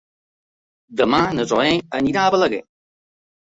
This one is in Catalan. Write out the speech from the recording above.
Demà na Zoè anirà a Balaguer.